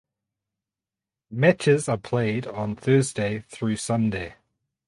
Matches are played on Thursday through Sunday.